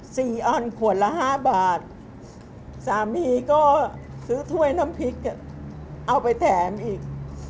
อันขวดละห้าบาทสามีก็ซื้อถ้วยน้ำพริกอ่ะเอาไปแถมอีก